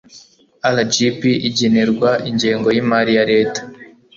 rgb igenerwa ingengo y imari ya leta